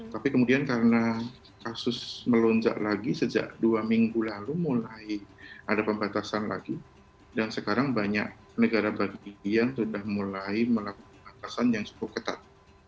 tapi kemudian karena kasus melonjak lagi sejak dua minggu lalu mulai ada pembatasan lagi dan sekarang banyak negara bagian sudah mulai melakukan pembatasan yang cukup ketat